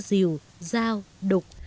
dìu dao đục